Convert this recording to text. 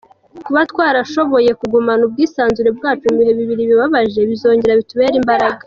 Kuba twarashoboye kugumana ubwisanzure bwacu mu bihe bibiri bibabaje bizongera bitubere imbaraga.”